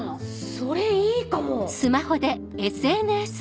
それいいかも！